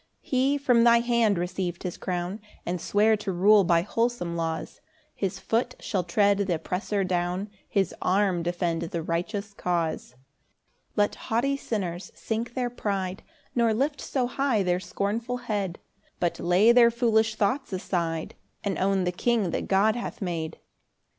3 He from thy hand receiv'd his crown, And sware to rule by wholesome laws His foot shall tread th' oppressor down, His arm defend the righteous cause. 4 Let haughty sinners sink their pride, Nor lift so high their scornful head; But lay their foolish thoughts aside, And own the king that God hath made.